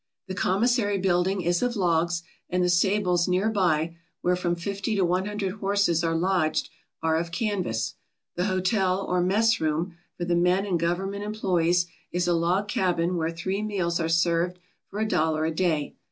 The commissary building is of logs, and the stables near by, where from fifty to one hundred horses are lodged, are of canvas. The hotel, or messroom, for the men and government employees is a log cabin where three meals are served for a dollar a day.